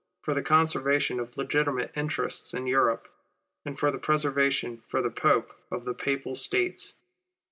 for the conservation of legitimate interests in Europe, and for the preservation to the Pope of the Papal States.